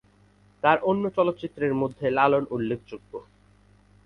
তার অন্য চলচ্চিত্রের মধ্যে লালন উল্লেখ্যযোগ্য।